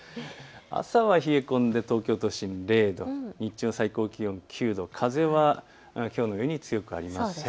朝は冷え込んで東京都心０度、日中は最高気温９度、風はきょうのように強くありません。